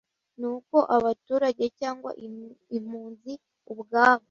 ni uko abaturage cyangwa impunzi ubwabo